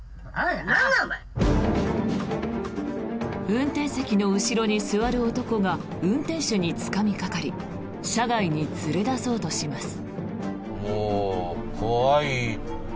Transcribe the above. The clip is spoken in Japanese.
運転席の後ろに座る男が運転手につかみかかり車外に連れ出そうとします。